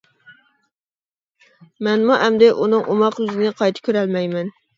مەنمۇ ئەمدى ئۇنىڭ ئوماق يۈزىنى قايتا كۆرەلمەيمەن.